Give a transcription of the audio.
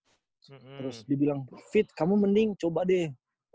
terus dibilang profit kamu mending coba deh